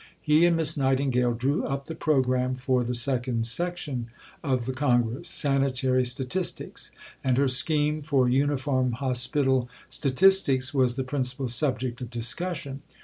He and Miss Nightingale drew up the programme for the Second Section of the Congress (Sanitary Statistics), and her scheme for Uniform Hospital Statistics was the principal subject of discussion.